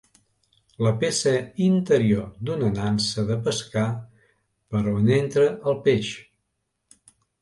La peça interior d'una nansa de pescar, per on entra el peix.